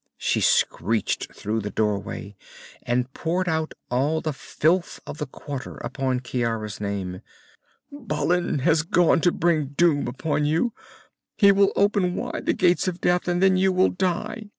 she shrieked through the doorway, and poured out all the filth of the quarter upon Ciara's name. "Balin has gone to bring doom upon you! He will open wide the Gates of Death, and then you will die!